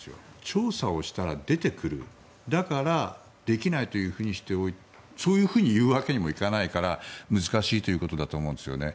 調査をしたら出てくるだからできないというふうにしておいてそういうふうに言うわけにもいかないから難しいということだと思うんですよね。